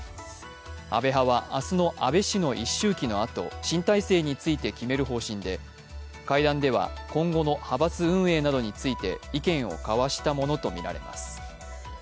安倍派は明日の安倍氏の一周忌のあと新体制について決める方針で会談では今後の派閥運営などについて意見を交わしたものとみられます。